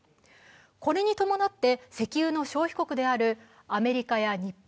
これに伴って石油の消費国であるアメリカや日本、